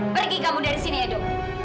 pergi kamu dari sini edo